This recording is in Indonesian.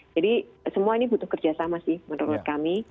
jadi semua ini butuh kerjasama sih menurut kami